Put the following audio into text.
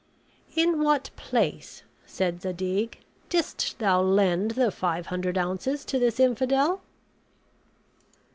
"In what place," said Zadig, "didst thou lend the five hundred ounces to this infidel?"